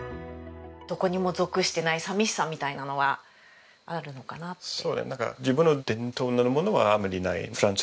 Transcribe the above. どこにも属してない寂しさみたいなのはあるのかなって。